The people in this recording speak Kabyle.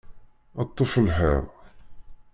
Ṭṭef lḥiḍ!